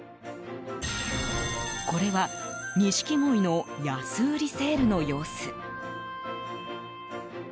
これは、ニシキゴイの安売りセールの様子。